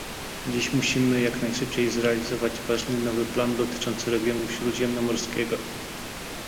Dziś musimy jak najszybciej zrealizować ważny nowy plan dotyczący regionu śródziemnomorskiego